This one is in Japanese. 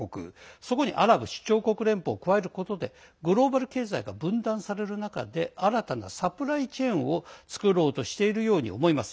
そこにアラブ首長国連邦を加えることでグローバル経済が分断される中で新たなサプライチェーンを作ろうとしているように思います。